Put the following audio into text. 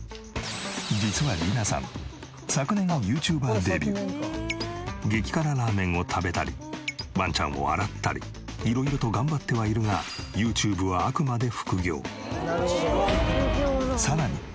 実はリナさん激辛ラーメンを食べたりワンちゃんを洗ったり色々と頑張ってはいるがＹｏｕＴｕｂｅはあくまで副業。